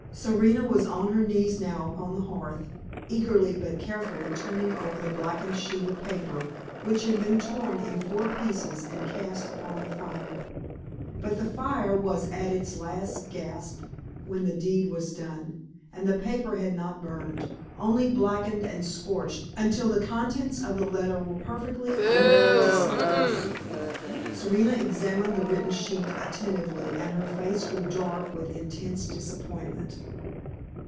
Serena was on her knees now upon the hearth, eagerly but carefully turning over the blackened sheet of paper which had been torn in four pieces and cast upon the fire. But the fire was at its last gasp when the deed was done, and the paper had not burned only blackened and scorched until the contents of the letter were perfectly undecipherable. Serena examined the written sheet attentively, and her face grew dark with intense disappointment.